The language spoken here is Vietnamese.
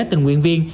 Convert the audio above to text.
tình nguyện viên